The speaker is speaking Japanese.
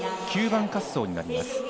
９番滑走になります。